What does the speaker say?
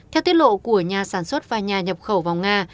theo tiết lộ của nhà sản xuất và nhà nhập khẩu vào nga